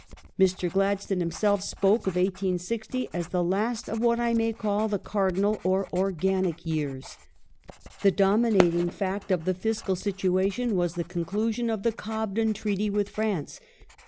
Mr. Gladstone himself spoke of 1860 as " the last of what I may call the cardinal or organic years ".^ The dominat ing fact of the fiscal situation was the conclusion of the Cobden Treaty with France.